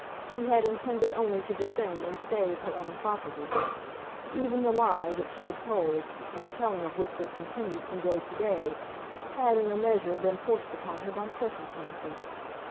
She had intended only to defend and save her own property. Even the lie that she had told, and the telling of which was continued from day to day, had in a measure been forced upon her by circumstances.